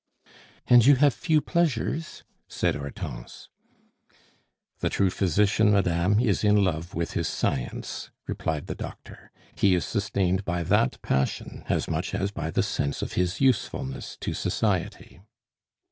"And you have few pleasures?" said Hortense. "The true physician, madame, is in love with his science," replied the doctor. "He is sustained by that passion as much as by the sense of his usefulness to society.